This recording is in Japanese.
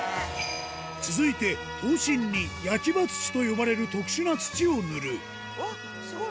続いて刀身に「焼刃土」と呼ばれる特殊な土を塗るスゴい！